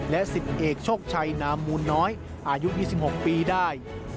และ๑๐เอกโชคชัยนามมูลน้อยอายุ๒๖ปีได้